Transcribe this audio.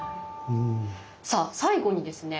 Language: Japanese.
さあ最後にですね